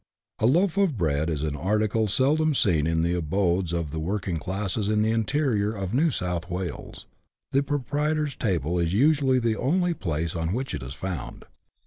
A loaf of bread is an article seldom seen in the abodes of the working classes in the interior of New South Wales ; the pro prietor's table is usually the only place on which it is found.